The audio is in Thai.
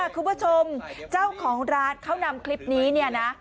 คุณผู้ชมเจ้าของร้านเขานำคลิปนี้เนี่ยนะ